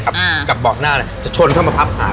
อ่ากับบอกหน้าเนี้ยจะชนเข้ามาพับขา